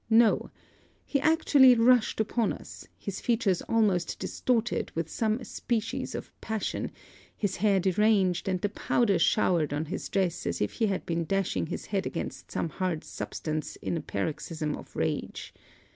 No: he actually rushed upon us, his features almost distorted with some species of passion, his hair deranged, and the powder showered on his dress as if he had been dashing his head against some hard substance in a paroxysm of rage.